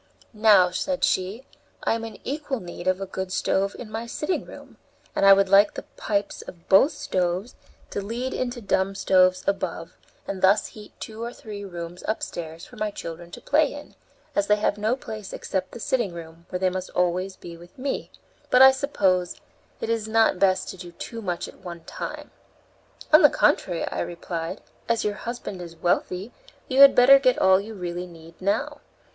"Now," said she, "I am in equal need of a good stove in my sitting room, and I would like the pipes of both stoves to lead into dumb stoves above, and thus heat two or three rooms upstairs for my children to play in, as they have no place except the sitting room, where they must be always with me; but I suppose it is not best to do too much at one time." "On the contrary," I replied, "as your husband is wealthy, you had better get all you really need now.